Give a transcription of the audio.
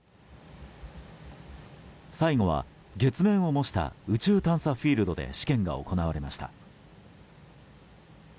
最後は月面を模した宇宙探査フィールドで試験が行われました。